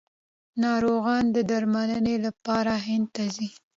ناروغان د درملنې لپاره هند ته ځي.